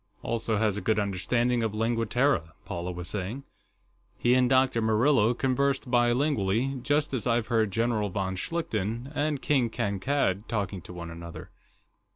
"... also has a good understanding of Lingua Terra," Paula was saying. "He and Dr. Murillo conversed bilingually, just as I've heard General von Schlichten and King Kankad talking to one another.